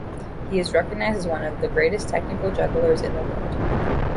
He is recognized as one of the greatest technical jugglers in the world.